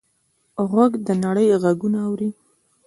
غوږ د نړۍ غږونه اوري.